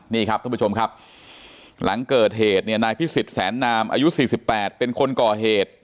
นี่ครับท่านผู้ชมครับหลังเกิดเหตุเนี่ยนายพิสิทธิแสนนามอายุ๔๘เป็นคนก่อเหตุ